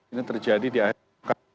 ini terjadi di akhir